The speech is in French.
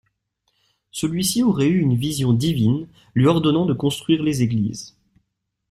Celui-ci aurait eu une vision divine lui ordonnant de construire les églises.